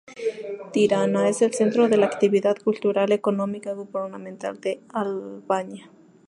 Tirana es el centro de la actividad cultural, económica y gubernamental de Albania.